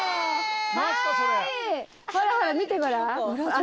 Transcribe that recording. ほら見てごらん。